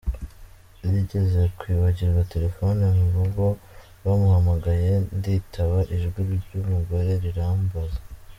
yigeze kwibagirwa telefoni mu rugo bamuhamagaye nditaba ijwi ry’umugore rirambaza.